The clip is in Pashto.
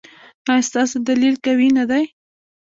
ایا ستاسو دلیل قوي نه دی؟